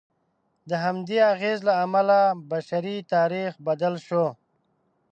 د همدې اغېز له امله بشري تاریخ بدل شو.